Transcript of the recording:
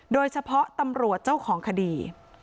โดยเฉพาะตำรวจเจ้าของคดี